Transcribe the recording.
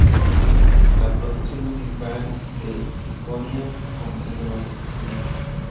La producción musical de Ciconia comprende varios estilos.